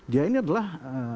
dia ini adalah